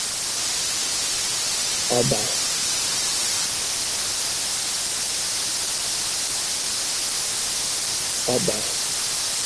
Ọba